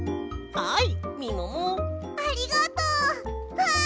はい！